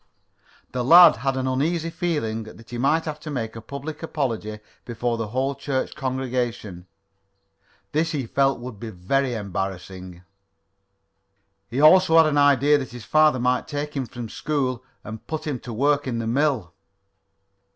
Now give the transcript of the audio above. The lad had an uneasy feeling that he might have to make a public apology before the whole church congregation. This he felt would be very embarrassing. He also had an idea that his father might take him from school and put him to work in the mill.